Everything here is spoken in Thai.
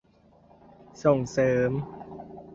ส่งเสริม